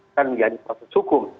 dan menjadi proses hukum